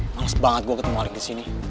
males banget gua ketemu alik di sini